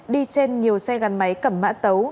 đi trên nhiều xe gắn máy cầm mã tấu